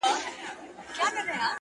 دا ستا د سترگو په كتاب كي گراني ؛